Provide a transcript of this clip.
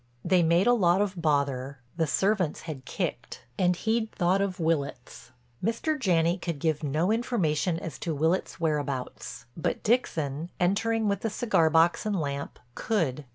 They made a lot of bother, the servants had kicked, and he'd thought of Willitts. Mr. Janney could give no information as to Willitts' whereabouts, but Dixon, entering with the cigar box and lamp, could.